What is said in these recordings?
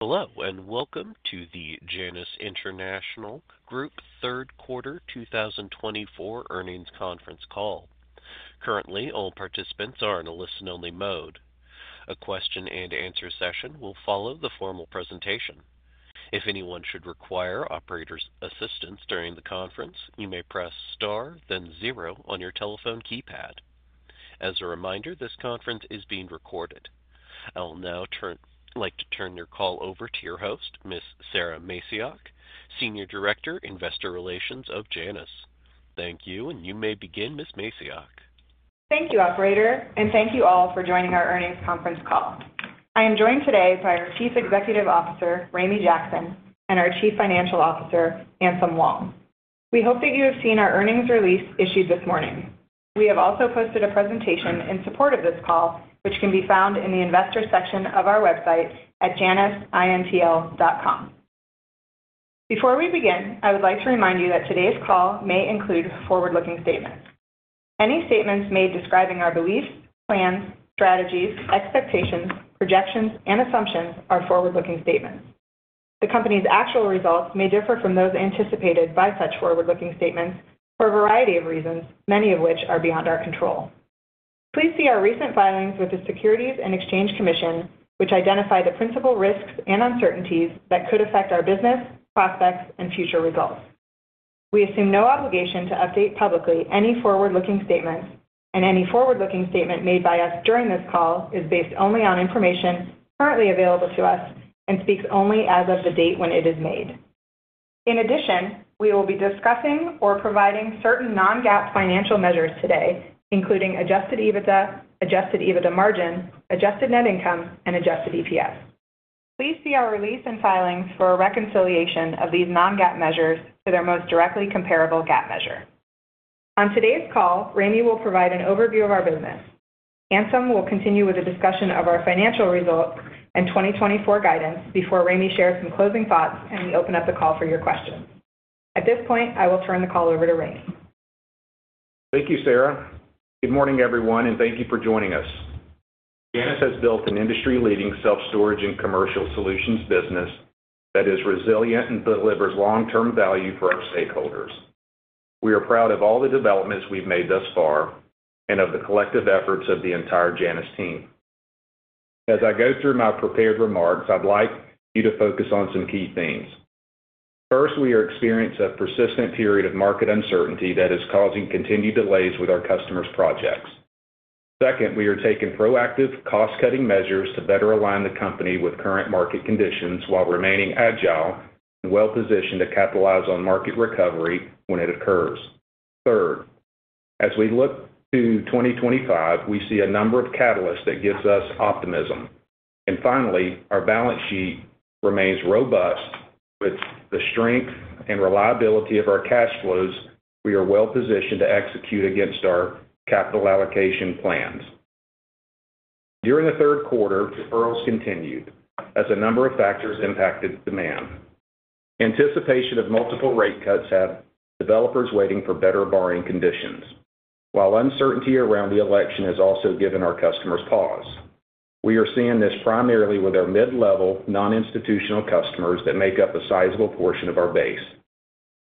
Hello and welcome to the Janus International Group third quarter 2024 earnings conference call. Currently, all participants are in a listen-only mode. A question-and-answer session will follow the formal presentation. If anyone should require operator assistance during the conference, you may press star, then zero on your telephone keypad. As a reminder, this conference is being recorded. I will now like to turn your call over to your host, Ms. Sara Macioch, Senior Director, Investor Relations of Janus. Thank you, and you may begin, Ms. Macioch. Thank you, Operator, and thank you all for joining our earnings conference call. I am joined today by our Chief Executive Officer, Ramey Jackson, and our Chief Financial Officer, Anselm Wong. We hope that you have seen our earnings release issued this morning. We have also posted a presentation in support of this call, which can be found in the investor section of our website at janusintl.com. Before we begin, I would like to remind you that today's call may include forward-looking statements. Any statements made describing our beliefs, plans, strategies, expectations, projections, and assumptions are forward-looking statements. The company's actual results may differ from those anticipated by such forward-looking statements for a variety of reasons, many of which are beyond our control. Please see our recent filings with the Securities and Exchange Commission, which identify the principal risks and uncertainties that could affect our business, prospects, and future results. We assume no obligation to update publicly any forward-looking statements, and any forward-looking statement made by us during this call is based only on information currently available to us and speaks only as of the date when it is made. In addition, we will be discussing or providing certain non-GAAP financial measures today, including Adjusted EBITDA, Adjusted EBITDA margin, adjusted net income, and Adjusted EPS. Please see our release and filings for a reconciliation of these non-GAAP measures to their most directly comparable GAAP measure. On today's call, Ramey will provide an overview of our business. Anselm will continue with a discussion of our financial results and 2024 guidance before Ramey shares some closing thoughts and we open up the call for your questions. At this point, I will turn the call over to Ramey. Thank you, Sara. Good morning, everyone, and thank you for joining us. Janus has built an industry-leading self-storage and commercial solutions business that is resilient and delivers long-term value for our stakeholders. We are proud of all the developments we've made thus far and of the collective efforts of the entire Janus team. As I go through my prepared remarks, I'd like you to focus on some key things. First, we are experiencing a persistent period of market uncertainty that is causing continued delays with our customers' projects. Second, we are taking proactive cost-cutting measures to better align the company with current market conditions while remaining agile and well-positioned to capitalize on market recovery when it occurs. Third, as we look to 2025, we see a number of catalysts that give us optimism. And finally, our balance sheet remains robust. With the strength and reliability of our cash flows, we are well-positioned to execute against our capital allocation plans. During the third quarter, deferrals continued as a number of factors impacted demand. Anticipation of multiple rate cuts had developers waiting for better borrowing conditions, while uncertainty around the election has also given our customers pause. We are seeing this primarily with our mid-level non-institutional customers that make up a sizable portion of our base.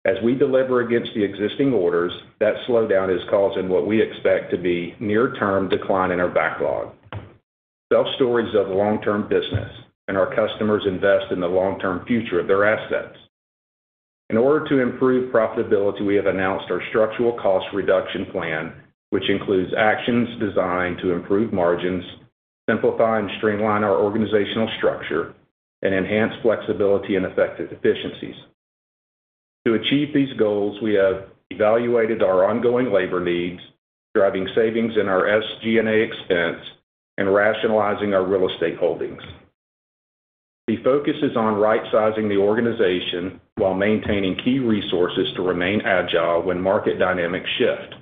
As we deliver against the existing orders, that slowdown is causing what we expect to be near-term decline in our backlog. Self-storage is a long-term business, and our customers invest in the long-term future of their assets. In order to improve profitability, we have announced our structural cost reduction plan, which includes actions designed to improve margins, simplify and streamline our organizational structure, and enhance flexibility and effective efficiencies. To achieve these goals, we have evaluated our ongoing labor needs, driving savings in our SG&A expense, and rationalizing our real estate holdings. The focus is on right-sizing the organization while maintaining key resources to remain agile when market dynamics shift.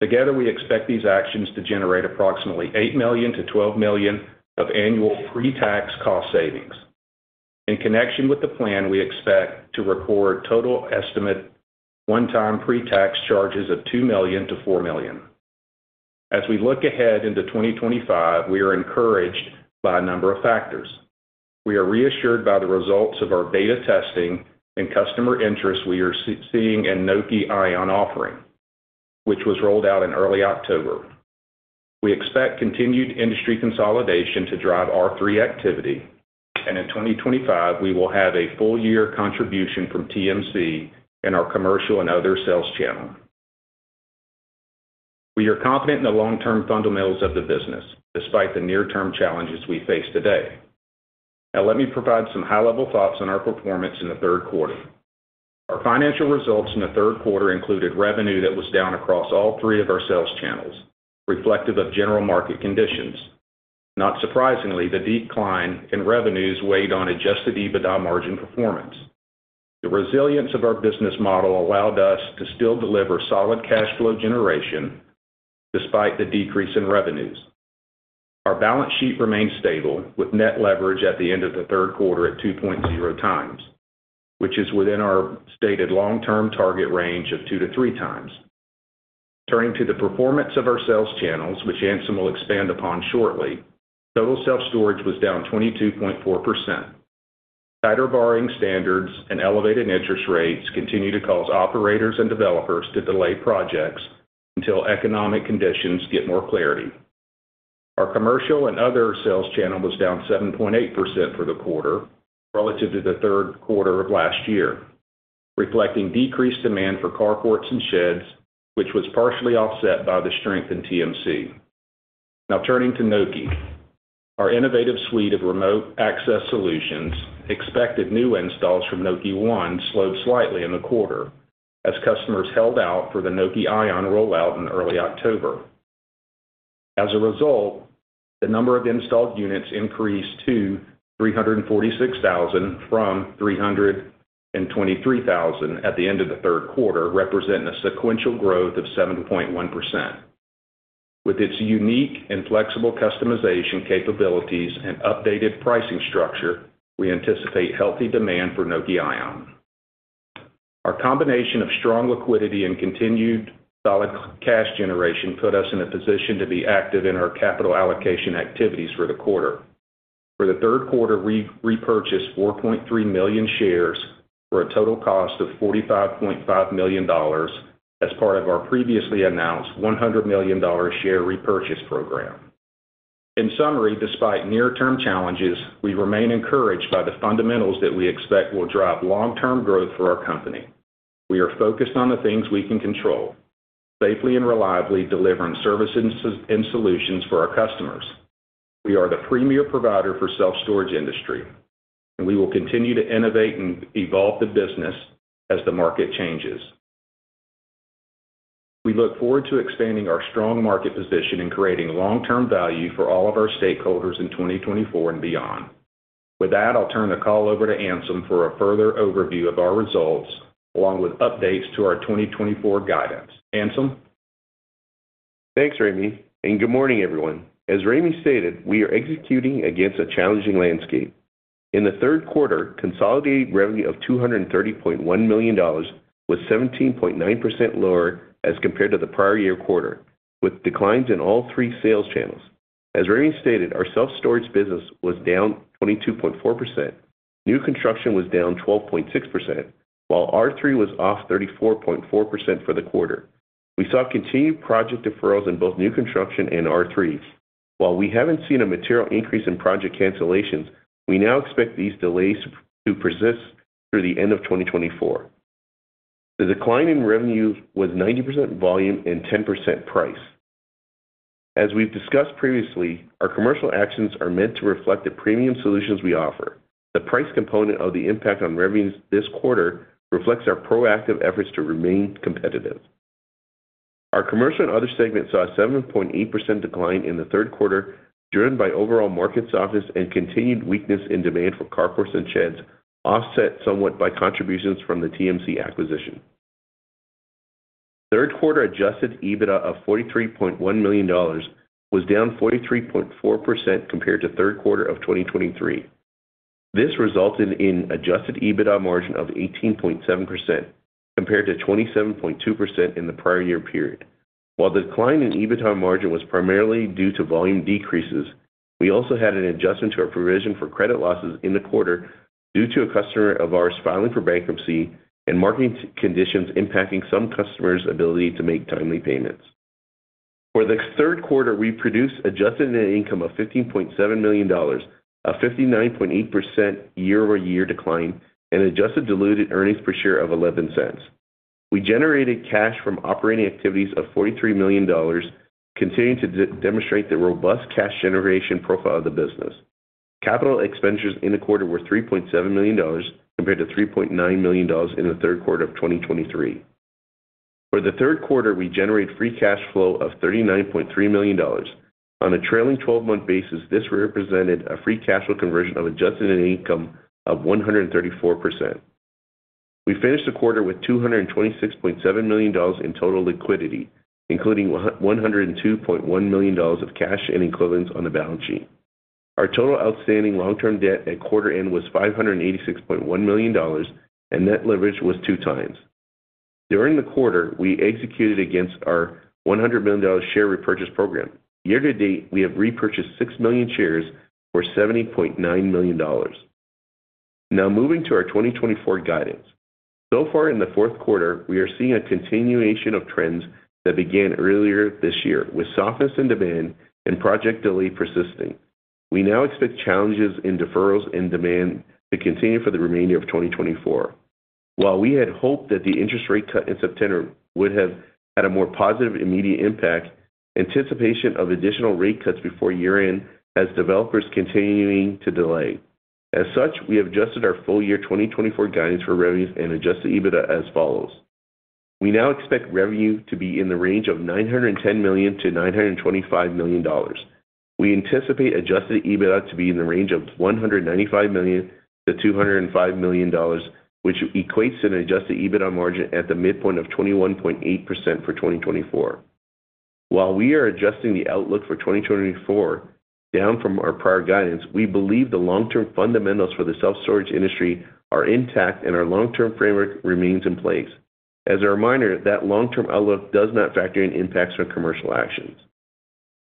Together, we expect these actions to generate approximately $8 million-$12 million of annual pre-tax cost savings. In connection with the plan, we expect to record total estimated one-time pre-tax charges of $2 million-$4 million. As we look ahead into 2025, we are encouraged by a number of factors. We are reassured by the results of our beta testing and customer interest we are seeing in Nokē Ion offering, which was rolled out in early October. We expect continued industry consolidation to drive our R3 activity, and in 2025, we will have a full-year contribution from TMC and our commercial and other sales channel. We are confident in the long-term fundamentals of the business despite the near-term challenges we face today. Now, let me provide some high-level thoughts on our performance in the third quarter. Our financial results in the third quarter included revenue that was down across all three of our sales channels, reflective of general market conditions. Not surprisingly, the decline in revenues weighed on Adjusted EBITDA margin performance. The resilience of our business model allowed us to still deliver solid cash flow generation despite the decrease in revenues. Our balance sheet remained stable with net leverage at the end of the third quarter at 2.0x, which is within our stated long-term target range of 2x-3x. Turning to the performance of our sales channels, which Anselm will expand upon shortly, total self-storage was down 22.4%. Tighter borrowing standards and elevated interest rates continue to cause operators and developers to delay projects until economic conditions get more clarity. Our commercial and other sales channel was down 7.8% for the quarter relative to the third quarter of last year, reflecting decreased demand for carports and sheds, which was partially offset by the strength in TMC. Now, turning to Nokē, our innovative suite of remote access solutions. Expected new installs from Nokē ONE slowed slightly in the quarter as customers held out for the Nokē Ion rollout in early October. As a result, the number of installed units increased to 346,000 from 323,000 at the end of the third quarter, representing a sequential growth of 7.1%. With its unique and flexible customization capabilities and updated pricing structure, we anticipate healthy demand for Nokē Ion. Our combination of strong liquidity and continued solid cash generation put us in a position to be active in our capital allocation activities for the quarter. For the third quarter, we repurchased 4.3 million shares for a total cost of $45.5 million as part of our previously announced $100 million share repurchase program. In summary, despite near-term challenges, we remain encouraged by the fundamentals that we expect will drive long-term growth for our company. We are focused on the things we can control, safely and reliably delivering services and solutions for our customers. We are the premier provider for the self-storage industry, and we will continue to innovate and evolve the business as the market changes. We look forward to expanding our strong market position and creating long-term value for all of our stakeholders in 2024 and beyond. With that, I'll turn the call over to Anselm for a further overview of our results along with updates to our 2024 guidance. Anselm? Thanks, Ramey, and good morning, everyone. As Ramey stated, we are executing against a challenging landscape. In the third quarter, consolidated revenue of $230.1 million was 17.9% lower as compared to the prior year quarter, with declines in all three sales channels. As Ramey stated, our self-storage business was down 22.4%. New construction was down 12.6%, while R3 was off 34.4% for the quarter. We saw continued project deferrals in both new construction and R3s. While we haven't seen a material increase in project cancellations, we now expect these delays to persist through the end of 2024. The decline in revenue was 90% volume and 10% price. As we've discussed previously, our commercial actions are meant to reflect the premium solutions we offer. The price component of the impact on revenues this quarter reflects our proactive efforts to remain competitive. Our commercial and other segments saw a 7.8% decline in the third quarter, driven by overall market softness and continued weakness in demand for carports and sheds, offset somewhat by contributions from the TMC acquisition. Third quarter Adjusted EBITDA of $43.1 million was down 43.4% compared to third quarter of 2023. This resulted in Adjusted EBITDA margin of 18.7% compared to 27.2% in the prior year period. While the decline in EBITDA margin was primarily due to volume decreases, we also had an adjustment to our provision for credit losses in the quarter due to a customer of ours filing for bankruptcy and market conditions impacting some customers' ability to make timely payments. For the third quarter, we produced adjusted net income of $15.7 million, a 59.8% year-over-year decline, and adjusted diluted earnings per share of $0.11. We generated cash from operating activities of $43 million, continuing to demonstrate the robust cash generation profile of the business. Capital expenditures in the quarter were $3.7 million compared to $3.9 million in the third quarter of 2023. For the third quarter, we generated free cash flow of $39.3 million. On a trailing 12-month basis, this represented a free cash flow conversion of adjusted net income of 134%. We finished the quarter with $226.7 million in total liquidity, including $102.1 million of cash and equivalents on the balance sheet. Our total outstanding long-term debt at quarter end was $586.1 million, and net leverage was 2x. During the quarter, we executed against our $100 million share repurchase program. Year to date, we have repurchased 6 million shares for $70.9 million. Now, moving to our 2024 guidance. So far, in the fourth quarter, we are seeing a continuation of trends that began earlier this year, with softness in demand and project delay persisting. We now expect challenges in deferrals and demand to continue for the remainder of 2024. While we had hoped that the interest rate cut in September would have had a more positive immediate impact, anticipation of additional rate cuts before year-end has developers continuing to delay. As such, we have adjusted our full year 2024 guidance for revenues and Adjusted EBITDA as follows. We now expect revenue to be in the range of $910 million-$925 million. We anticipate Adjusted EBITDA to be in the range of $195 million-$205 million, which equates to an Adjusted EBITDA margin at the midpoint of 21.8% for 2024. While we are adjusting the outlook for 2024 down from our prior guidance, we believe the long-term fundamentals for the self-storage industry are intact and our long-term framework remains in place. As a reminder, that long-term outlook does not factor in impacts from commercial actions.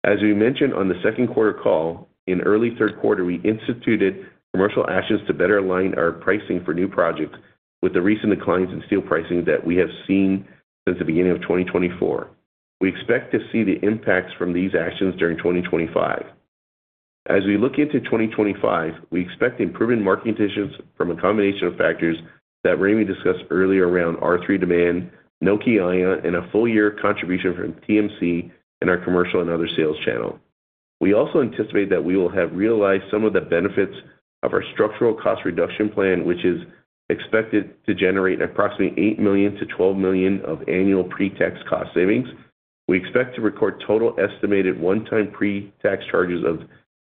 As we mentioned on the second quarter call, in early third quarter, we instituted commercial actions to better align our pricing for new projects with the recent declines in steel pricing that we have seen since the beginning of 2024. We expect to see the impacts from these actions during 2025. As we look into 2025, we expect improving market conditions from a combination of factors that Ramey discussed earlier around R3 demand, Nokē Ion, and a full-year contribution from TMC and our commercial and other sales channel. We also anticipate that we will have realized some of the benefits of our structural cost reduction plan, which is expected to generate approximately $8 million-$12 million of annual pre-tax cost savings. We expect to record total estimated one-time pre-tax charges of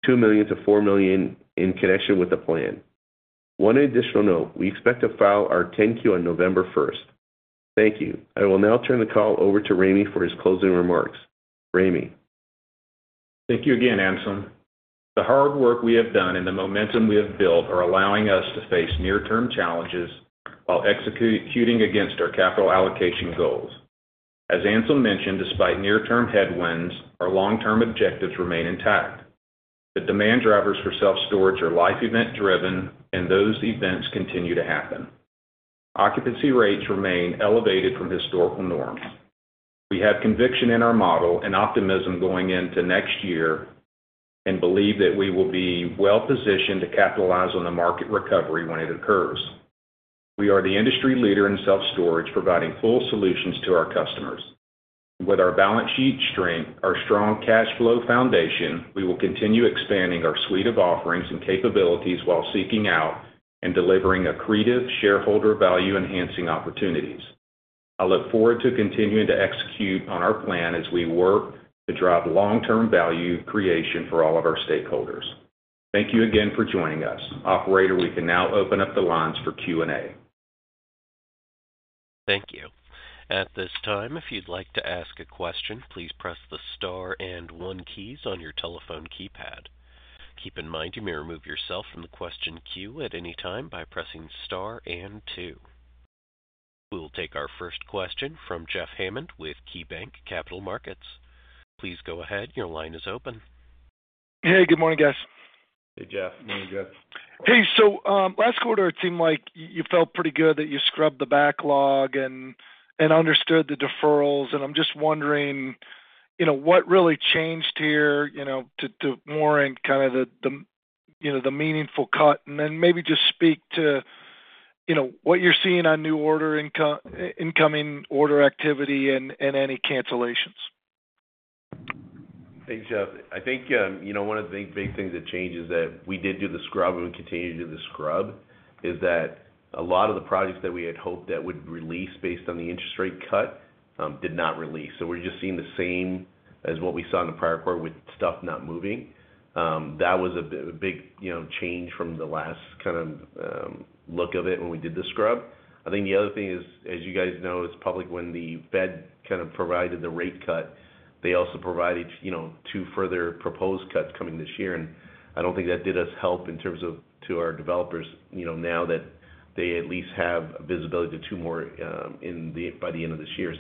$2 million-$4 million in connection with the plan. One additional note, we expect to file our 10-Q on November 1st. Thank you. I will now turn the call over to Ramey for his closing remarks. Ramey. Thank you again, Anselm. The hard work we have done and the momentum we have built are allowing us to face near-term challenges while executing against our capital allocation goals. As Anselm mentioned, despite near-term headwinds, our long-term objectives remain intact. The demand drivers for self-storage are life event-driven, and those events continue to happen. Occupancy rates remain elevated from historical norms. We have conviction in our model and optimism going into next year and believe that we will be well-positioned to capitalize on the market recovery when it occurs. We are the industry leader in self-storage, providing full solutions to our customers. With our balance sheet strength, our strong cash flow foundation, we will continue expanding our suite of offerings and capabilities while seeking out and delivering accretive shareholder value-enhancing opportunities. I look forward to continuing to execute on our plan as we work to drive long-term value creation for all of our stakeholders. Thank you again for joining us. Operator, we can now open up the lines for Q&A. Thank you. At this time, if you'd like to ask a question, please press the star and one keys on your telephone keypad. Keep in mind you may remove yourself from the question queue at any time by pressing star and two. We will take our first question from Jeff Hammond with KeyBanc Capital Markets. Please go ahead. Your line is open. Hey, good morning, guys. Hey, Jeff. Morning, Jeff. Hey, so last quarter, it seemed like you felt pretty good that you scrubbed the backlog and understood the deferrals. And I'm just wondering what really changed here to warrant kind of the meaningful cut? And then maybe just speak to what you're seeing on new order incoming order activity and any cancellations. Thanks, Jeff. I think one of the big things that changed is that we did do the scrub and we continue to do the scrub, is that a lot of the projects that we had hoped that would release based on the interest rate cut did not release. So we're just seeing the same as what we saw in the prior quarter with stuff not moving. That was a big change from the last kind of look of it when we did the scrub. I think the other thing is, as you guys know, it's public when the Fed kind of provided the rate cut. They also provided two further proposed cuts coming this year. And I don't think that did us help in terms of to our developers now that they at least have visibility to two more by the end of this year.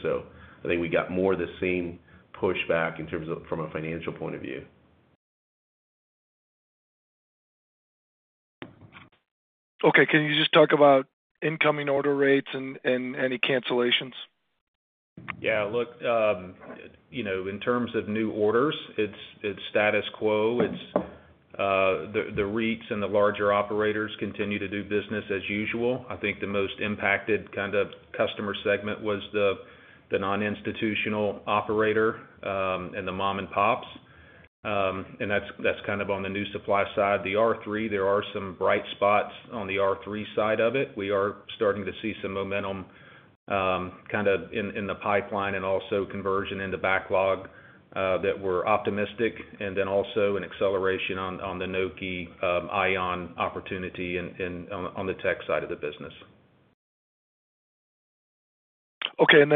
I think we got more of the same pushback in terms of from a financial point of view. Okay. Can you just talk about incoming order rates and any cancellations? Yeah. Look, in terms of new orders, it's status quo. The REITs and the larger operators continue to do business as usual. I think the most impacted kind of customer segment was the non-institutional operator and the mom-and-pops. And that's kind of on the new supply side. The R3, there are some bright spots on the R3 side of it. We are starting to see some momentum kind of in the pipeline and also conversion in the backlog that we're optimistic. And then also an acceleration on the Nokē Ion opportunity and on the tech side of the business. Okay. And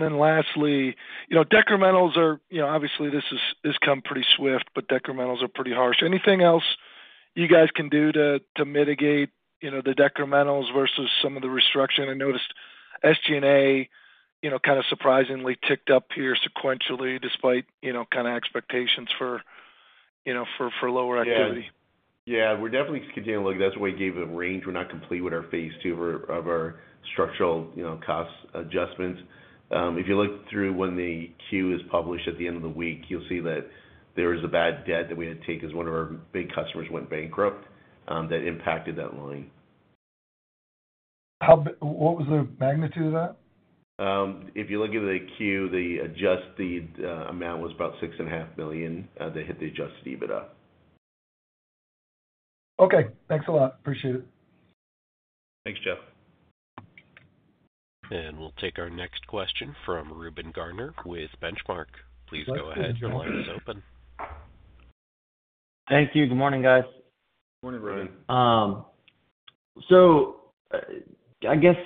then lastly, decrementals are obviously, this has come pretty swift, but decrementals are pretty harsh. Anything else you guys can do to mitigate the decrementals versus some of the restrictions? I noticed SG&A kind of surprisingly ticked up here sequentially despite kind of expectations for lower activity. We're definitely continuing to look. That's why we gave the range. We're not complete with our phase two of our structural cost adjustments. If you look through when the Q is published at the end of the week, you'll see that there was a bad debt that we had to take as one of our big customers went bankrupt. That impacted that line. What was the magnitude of that? If you look at the Q, the adjusted amount was about $6.5 million that hit the Adjusted EBITDA. Okay. Thanks a lot. Appreciate it. Thanks, Jeff. And we'll take our next question from Reuben Garner with Benchmark. Please go ahead. Your line is open. Thank you. Good morning, guys. Good morning, Reuben. So I guess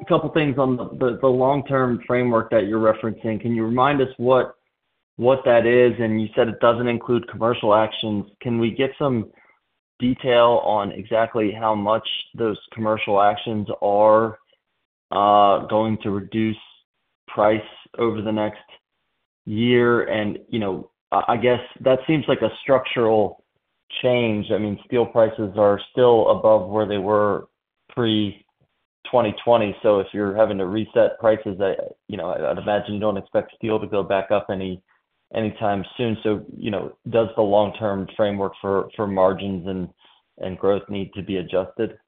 a couple of things on the long-term framework that you're referencing. Can you remind us what that is? And you said it doesn't include commercial actions. Can we get some detail on exactly how much those commercial actions are going to reduce price over the next year? And I guess that seems like a structural change. I mean, steel prices are still above where they were pre-2020. So if you're having to reset prices, I'd imagine you don't expect steel to go back up anytime soon. So does the long-term framework for margins and growth need to be adjusted?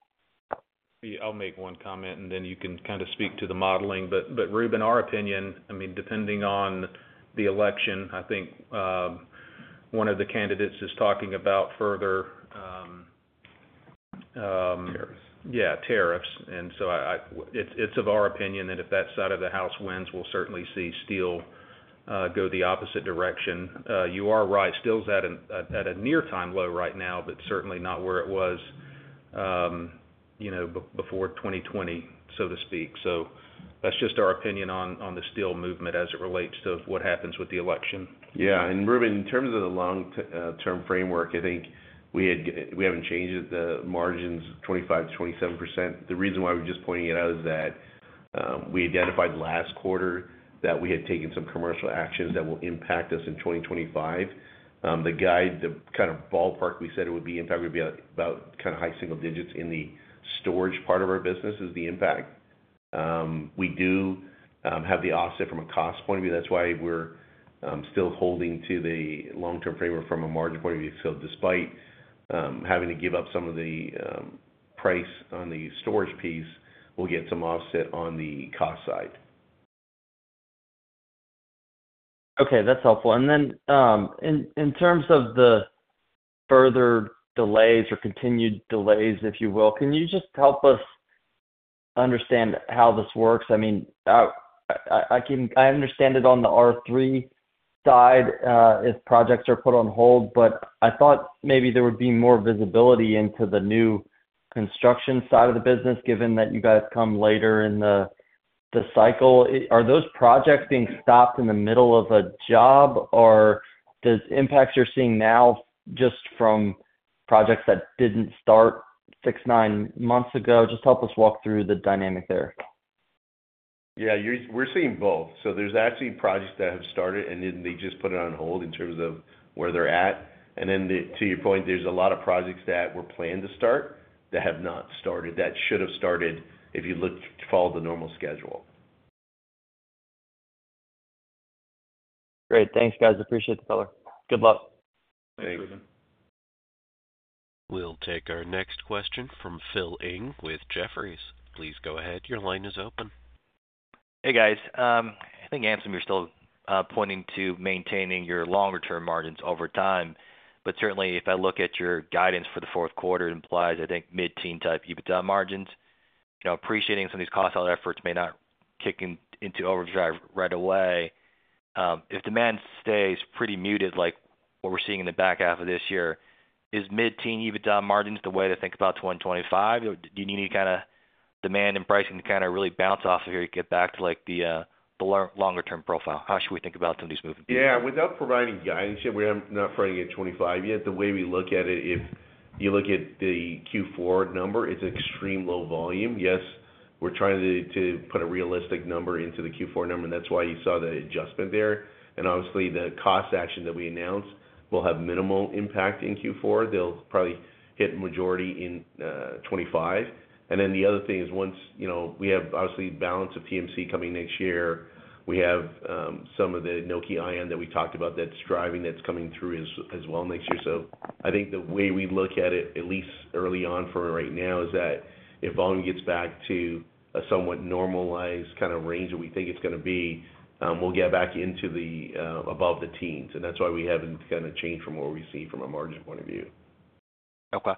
I'll make one comment, and then you can kind of speak to the modeling, but Reuben, our opinion, I mean, depending on the election, I think one of the candidates is talking about further. Tariffs. Yeah, tariffs. And so it's of our opinion that if that side of the house wins, we'll certainly see steel go the opposite direction. You are right. Steel's at a near-term low right now, but certainly not where it was before 2020, so to speak. So that's just our opinion on the steel movement as it relates to what happens with the election. Yeah. And Reuben, in terms of the long-term framework, I think we haven't changed the margins, 25%-27%. The reason why we're just pointing it out is that we identified last quarter that we had taken some commercial actions that will impact us in 2025. The guide, the kind of ballpark we said it would be impact would be about kind of high single digits in the storage part of our business is the impact. We do have the offset from a cost point of view. That's why we're still holding to the long-term framework from a margin point of view. So despite having to give up some of the price on the storage piece, we'll get some offset on the cost side. Okay. That's helpful, and then in terms of the further delays or continued delays, if you will, can you just help us understand how this works? I mean, I understand it on the R3 side if projects are put on hold, but I thought maybe there would be more visibility into the new construction side of the business given that you guys come later in the cycle. Are those projects being stopped in the middle of a job, or does impact you're seeing now just from projects that didn't start six, nine months ago? Just help us walk through the dynamic there? Yeah. We're seeing both, so there's actually projects that have started, and then they just put it on hold in terms of where they're at, and then to your point, there's a lot of projects that were planned to start that have not started that should have started if you followed the normal schedule. Great. Thanks, guys. Appreciate the color. Good luck. Thanks, Reuben. We'll take our next question from Phil Ng with Jefferies. Please go ahead. Your line is open. Hey, guys. I think, Anselm, you're still pointing to maintaining your longer-term margins over time. But certainly, if I look at your guidance for the fourth quarter, it implies, I think, mid-teen type EBITDA margins. Appreciating some of these cost out efforts may not kick into overdrive right away. If demand stays pretty muted like what we're seeing in the back half of this year, is mid-teen EBITDA margins the way to think about 2025? Do you need any kind of demand and pricing to kind of really bounce off of here to get back to the longer-term profile? How should we think about some of these movements? Yeah. Without providing guidance yet, we're not fronting in 2025 yet. The way we look at it, if you look at the Q4 number, it's an extreme low volume. Yes, we're trying to put a realistic number into the Q4 number, and that's why you saw the adjustment there. Obviously, the cost action that we announced will have minimal impact in Q4. They'll probably hit majority in 2025. Then the other thing is once we have obviously balance of TMC coming next year, we have some of the Nokē Ion that we talked about that's driving that's coming through as well next year. So I think the way we look at it, at least early on for right now, is that if volume gets back to a somewhat normalized kind of range that we think it's going to be, we'll get back into the above the teens. That's why we haven't kind of changed from what we've seen from a margin point of view. Okay.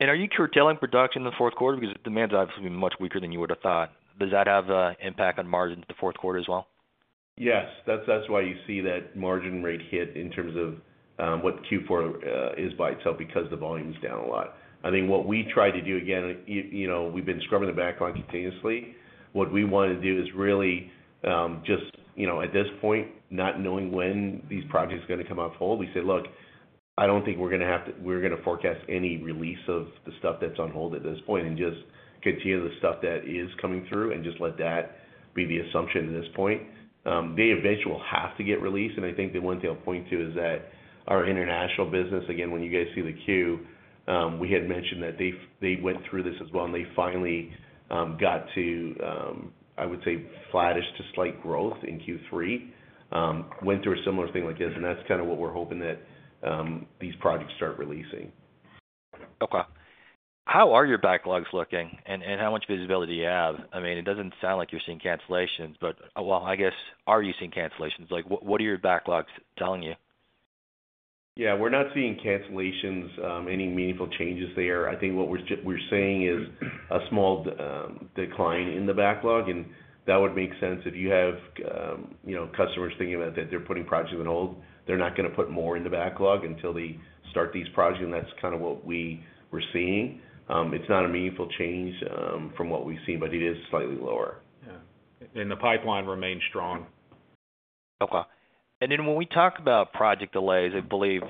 And are you curtailing production in the fourth quarter because demand's obviously much weaker than you would have thought? Does that have an impact on margins in the fourth quarter as well? Yes. That's why you see that margin rate hit in terms of what Q4 is by itself because the volume is down a lot. I think what we try to do, again, we've been scrubbing the backlog continuously. What we want to do is really just, at this point, not knowing when these projects are going to come on hold, we say, "Look, I don't think we're going to forecast any release of the stuff that's on hold at this point and just continue the stuff that is coming through and just let that be the assumption at this point." They eventually will have to get released. And I think the one thing I'll point to is that our international business, again, when you guys see the Q, we had mentioned that they went through this as well, and they finally got to, I would say, flattish to slight growth in Q3, went through a similar thing like this. And that's kind of what we're hoping that these projects start releasing. Okay. How are your backlogs looking? And how much visibility do you have? I mean, it doesn't sound like you're seeing cancellations, but well, I guess, are you seeing cancellations? What are your backlogs telling you? Yeah. We're not seeing cancellations, any meaningful changes there. I think what we're seeing is a small decline in the backlog, and that would make sense if you have customers thinking about that they're putting projects on hold. They're not going to put more in the backlog until they start these projects, and that's kind of what we were seeing. It's not a meaningful change from what we've seen, but it is slightly lower. Yeah. And the pipeline remains strong. Okay. And then when we talk about project delays, I believe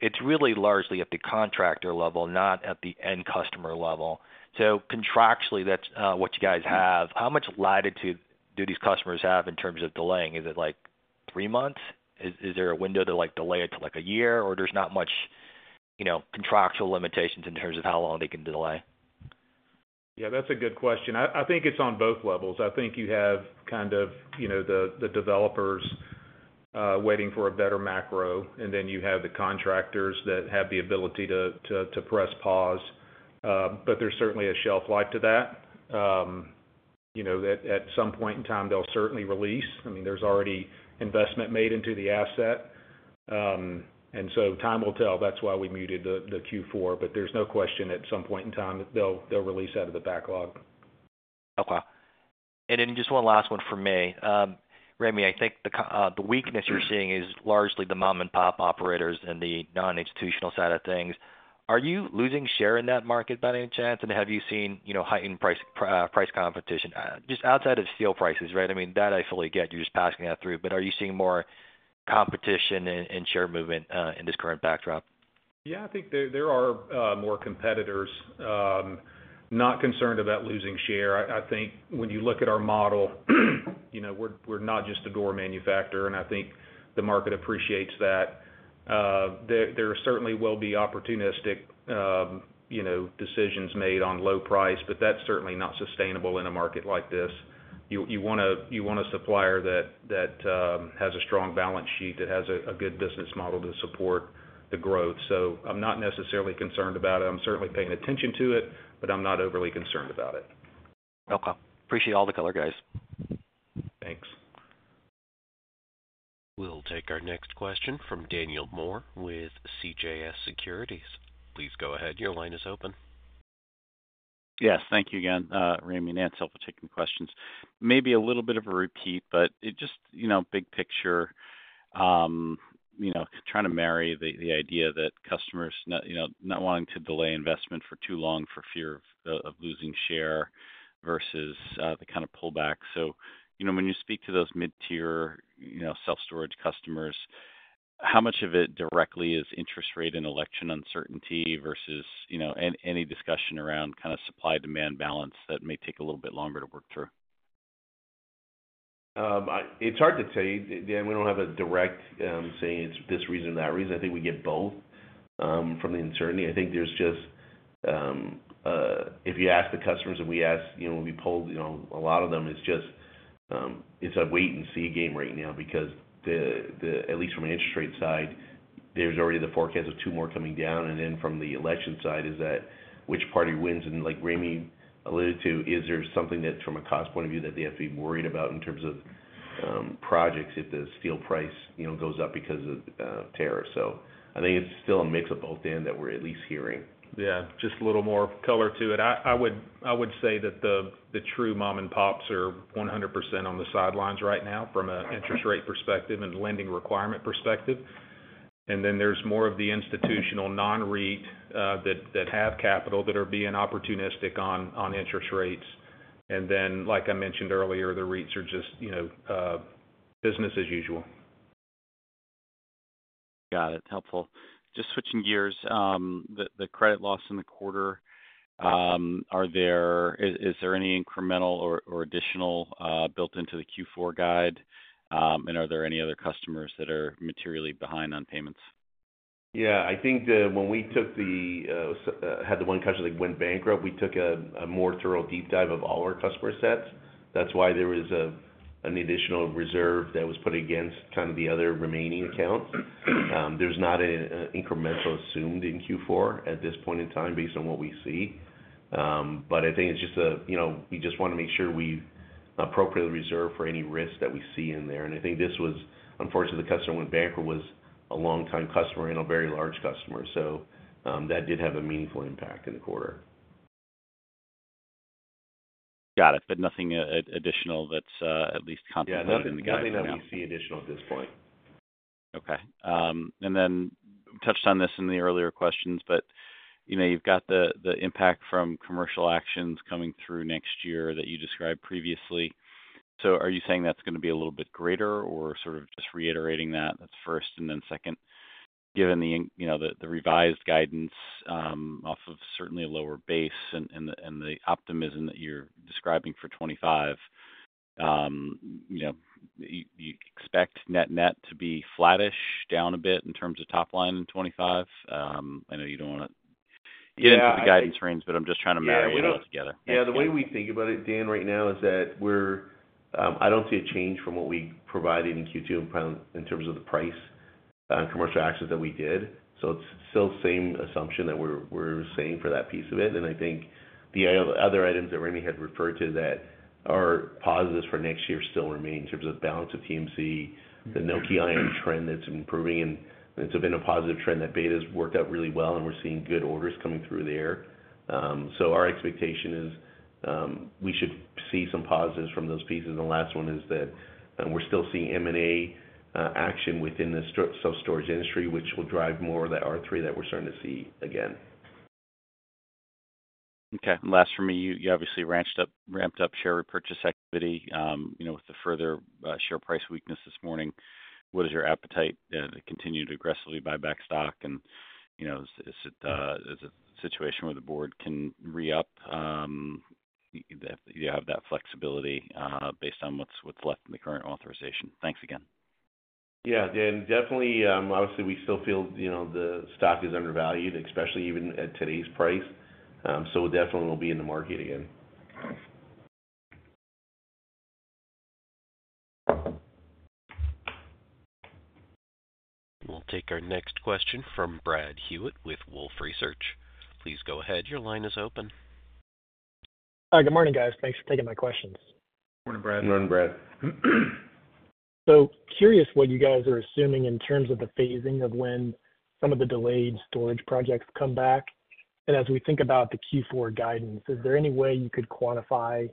it's really largely at the contractor level, not at the end customer level. So contractually, that's what you guys have. How much latitude do these customers have in terms of delaying? Is it like three months? Is there a window to delay it to like a year? Or there's not much contractual limitations in terms of how long they can delay? Yeah. That's a good question. I think it's on both levels. I think you have kind of the developers waiting for a better macro, and then you have the contractors that have the ability to press pause. But there's certainly a shelf life to that. At some point in time, they'll certainly release. I mean, there's already investment made into the asset. And so time will tell. That's why we muted the Q4. But there's no question at some point in time that they'll release out of the backlog. Okay. And then just one last one for me. Ramey, I think the weakness you're seeing is largely the mom-and-pop operators and the non-institutional side of things. Are you losing share in that market by any chance? And have you seen heightened price competition? Just outside of steel prices, right? I mean, that I fully get. You're just passing that through. But are you seeing more competition and share movement in this current backdrop? Yeah. I think there are more competitors not concerned about losing share. I think when you look at our model, we're not just a door manufacturer. And I think the market appreciates that. There certainly will be opportunistic decisions made on low price, but that's certainly not sustainable in a market like this. You want a supplier that has a strong balance sheet, that has a good business model to support the growth. So I'm not necessarily concerned about it. I'm certainly paying attention to it, but I'm not overly concerned about it. Okay. Appreciate all the color, guys. Thanks. We'll take our next question from Daniel Moore with CJS Securities. Please go ahead. Your line is open. Yes. Thank you again, Ramey and Anselm, for taking the questions. Maybe a little bit of a repeat, but just big picture, trying to marry the idea that customers not wanting to delay investment for too long for fear of losing share versus the kind of pullback. So when you speak to those mid-tier self-storage customers, how much of it directly is interest rate and election uncertainty versus any discussion around kind of supply-demand balance that may take a little bit longer to work through? It's hard to tell you. Again, we don't have a direct saying it's this reason or that reason. I think we get both from the uncertainty. I think there's just, if you ask the customers and we ask when we polled a lot of them, it's just it's a wait-and-see game right now because, at least from an interest rate side, there's already the forecast of two more coming down, and then from the election side is that which party wins, and like Ramey alluded to, is there something that from a cost point of view that they have to be worried about in terms of projects if the steel price goes up because of tariffs? So I think it's still a mix of both ends that we're at least hearing. Yeah. Just a little more color to it. I would say that the true mom-and-pops are 100% on the sidelines right now from an interest rate perspective and lending requirement perspective. And then there's more of the institutional non-REIT that have capital that are being opportunistic on interest rates. And then, like I mentioned earlier, the REITs are just business as usual. Got it. Helpful. Just switching gears, the credit loss in the quarter, is there any incremental or additional built into the Q4 guide, and are there any other customers that are materially behind on payments? Yeah. I think when we had the one customer that went bankrupt, we took a more thorough deep dive of all our customer sets. That's why there was an additional reserve that was put against kind of the other remaining accounts. There's not an incremental reserve assumed in Q4 at this point in time based on what we see. But I think it's just we want to make sure we appropriately reserve for any risks that we see in there. And I think this was, unfortunately, the customer that went bankrupt was a long-time customer and a very large customer. So that did have a meaningful impact in the quarter. Got it. But nothing additional that's at least contemplated in the guidance? Yeah. Nothing that we see additional at this point. Okay. And then touched on this in the earlier questions, but you've got the impact from commercial actions coming through next year that you described previously. So are you saying that's going to be a little bit greater or sort of just reiterating that? That's first and then second. Given the revised guidance off of certainly a lower base and the optimism that you're describing for 2025, you expect net-net to be flattish down a bit in terms of top line in 2025? I know you don't want to get into the guidance range, but I'm just trying to marry it all together. Yeah. The way we think about it, Dan, right now is that I don't see a change from what we provided in Q2 in terms of the price on commercial actions that we did. So it's still the same assumption that we're saying for that piece of it. And I think the other items that Ramey had referred to that are positives for next year still remain in terms of backlog of TMC, the Nokē Ion trend that's improving. And it's been a positive trend that beta has worked out really well, and we're seeing good orders coming through there. So our expectation is we should see some positives from those pieces. And the last one is that we're still seeing M&A action within the self-storage industry, which will drive more of that R3 that we're starting to see again. Okay. Last for me, you obviously ramped up share repurchase activity with the further share price weakness this morning. What is your appetite to continue to aggressively buy back stock? And is it a situation where the board can re-up? Do you have that flexibility based on what's left in the current authorization? Thanks again. Yeah. Again, definitely. Obviously, we still feel the stock is undervalued, especially even at today's price. So definitely, we'll be in the market again. We'll take our next question from Brad Hewitt with Wolfe Research. Please go ahead. Your line is open. Hi. Good morning, guys. Thanks for taking my questions. Good morning, Brad. Good morning, Brad. So curious what you guys are assuming in terms of the phasing of when some of the delayed storage projects come back. And as we think about the Q4 guidance, is there any way you could quantify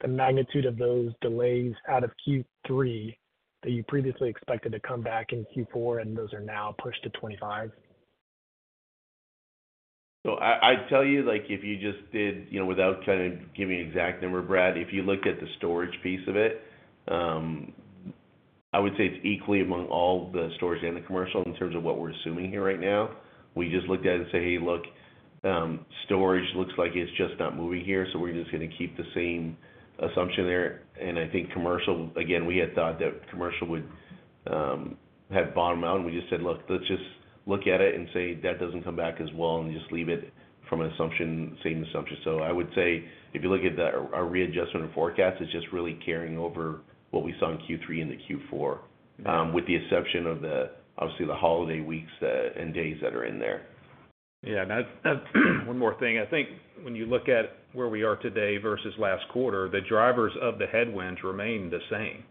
the magnitude of those delays out of Q3 that you previously expected to come back in Q4, and those are now pushed to 2025? So I'd tell you if you just did without kind of giving an exact number, Brad, if you look at the storage piece of it, I would say it's equally among all the storage and the commercial in terms of what we're assuming here right now. We just looked at it and said, "Hey, look, storage looks like it's just not moving here." So we're just going to keep the same assumption there. And I think commercial, again, we had thought that commercial would have bottomed out. We just said, "Look, let's just look at it and say that doesn't come back as well and just leave it from the same assumption." I would say if you look at our readjustment of forecast, it's just really carrying over what we saw in Q3 and the Q4 with the exception of, obviously, the holiday weeks and days that are in there. Yeah. One more thing. I think when you look at where we are today versus last quarter, the drivers of the headwinds remain the same.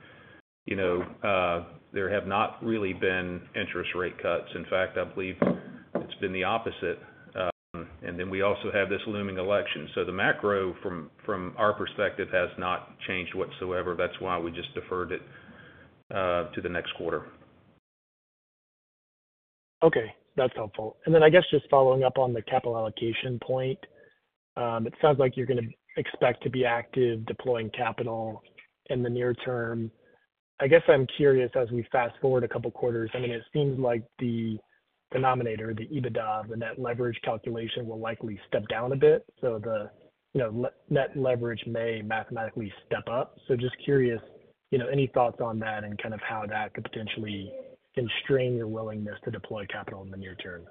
There have not really been interest rate cuts. In fact, I believe it's been the opposite. And then we also have this looming election. So the macro, from our perspective, has not changed whatsoever. That's why we just deferred it to the next quarter. Okay. That's helpful. And then I guess just following up on the capital allocation point, it sounds like you're going to expect to be active deploying capital in the near term. I guess I'm curious, as we fast forward a couple of quarters, I mean, it seems like the denominator, the EBITDA, the net leverage calculation will likely step down a bit. So the net leverage may mathematically step up. So just curious, any thoughts on that and kind of how that could potentially constrain your willingness to deploy capital in the near term?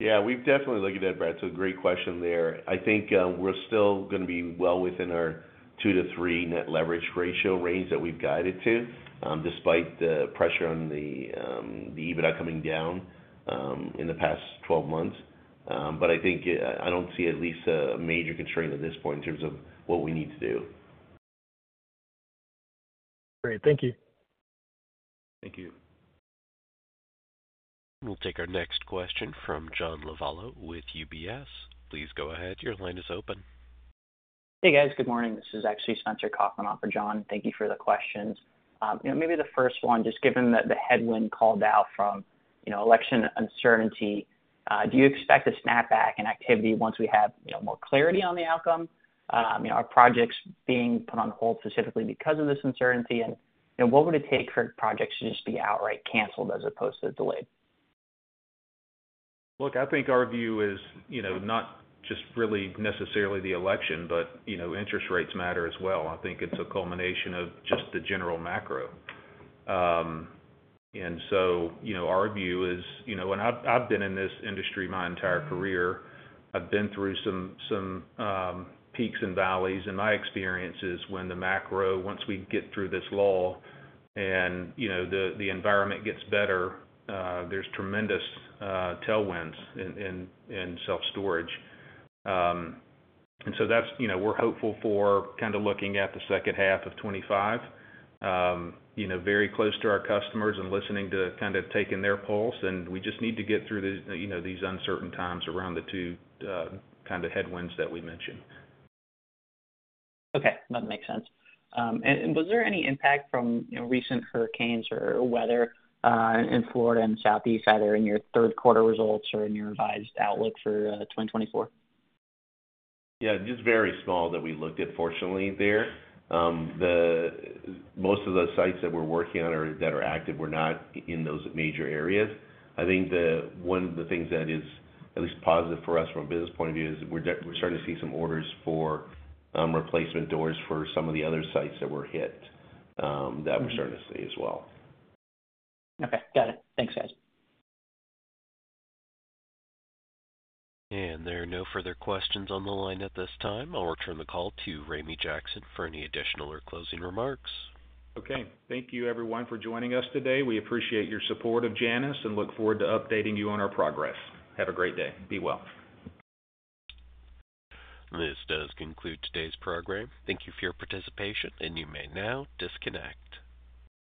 Yeah. We've definitely looked at that, Brad, so great question there. I think we're still going to be well within our two to three net leverage ratio range that we've guided to despite the pressure on the EBITDA coming down in the past 12 months, but I think I don't see at least a major constraint at this point in terms of what we need to do. Great. Thank you. Thank you. We'll take our next question from John Lovallo with UBS. Please go ahead. Your line is open. Hey, guys. Good morning. This is actually Spencer Kaufman off of John. Thank you for the questions. Maybe the first one, just given that the headwind called out from election uncertainty, do you expect a snapback in activity once we have more clarity on the outcome? Are our projects being put on hold specifically because of this uncertainty? And what would it take for projects to just be outright canceled as opposed to delayed? Look, I think our view is not just really necessarily the election, but interest rates matter as well. I think it's a culmination of just the general macro. And so our view is, and I've been in this industry my entire career. I've been through some peaks and valleys. And my experience is when the macro, once we get through this lull and the environment gets better, there's tremendous tailwinds in self-storage. And so we're hopeful for kind of looking at the second half of 2025, very close to our customers and listening to kind of taking their pulse. And we just need to get through these uncertain times around the two kind of headwinds that we mentioned. Okay. That makes sense. And was there any impact from recent hurricanes or weather in Florida and the Southeast, either in your third quarter results or in your revised outlook for 2024? Yeah. Just very small that we looked at, fortunately, there. Most of the sites that we're working on that are active were not in those major areas. I think one of the things that is at least positive for us from a business point of view is we're starting to see some orders for replacement doors for some of the other sites that were hit that we're starting to see as well. Okay. Got it. Thanks, guys. There are no further questions on the line at this time. I'll return the call to Ramey Jackson for any additional or closing remarks. Okay. Thank you, everyone, for joining us today. We appreciate your support of Janus and look forward to updating you on our progress. Have a great day. Be well. This does conclude today's program. Thank you for your participation, and you may now disconnect.